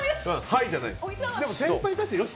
はいじゃないです。